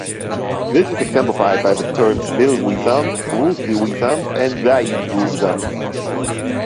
This is exemplified by the terms bill-guisarmes, voulge-guisarmes, and glaive-guisarmes.